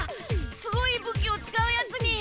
すごい武器を使うやつに。